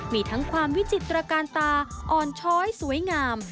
มีทั้งความวิจิตรการตาอ่อนช้อยสวยงาม